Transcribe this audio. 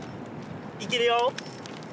いけるよ。